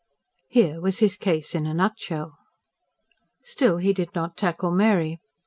Here was his case in a nutshell. Still he did not tackle Mary.